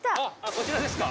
こちらですか？